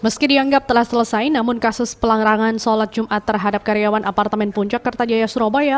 meski dianggap telah selesai namun kasus pelarangan sholat jumat terhadap karyawan apartemen puncak kertajaya surabaya